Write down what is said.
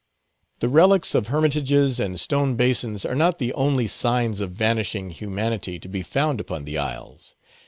The relics of hermitages and stone basins are not the only signs of vanishing humanity to be found upon the isles.